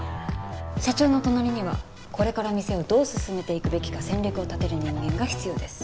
社長の隣にはこれから店をどう進めていくべきか戦略を立てる人間が必要です。